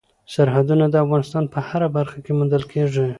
سرحدونه د افغانستان په هره برخه کې موندل کېږي.